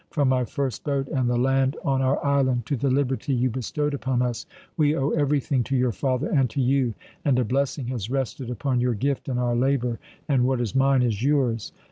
From my first boat and the land on our island to the liberty you bestowed upon us, we owe everything to your father and to you, and a blessing has rested upon your gift and our labour, and what is mine is yours.